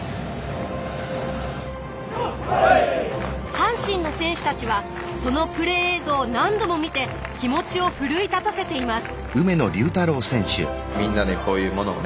阪神の選手たちはそのプレー映像を何度も見て気持ちを奮い立たせています。